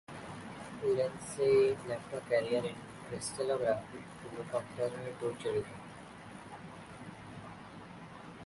Lindsey left her career in crystallography to look after her two children.